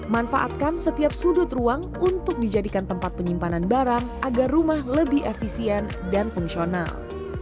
manfaatkan setiap sudut ruang untuk dijadikan tempat penyimpanan barang agar rumah lebih efisien dan fungsional